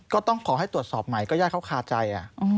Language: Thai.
ก็ต้องขอให้ตรวจสอบใหม่ก็ญาติเขาคาใจ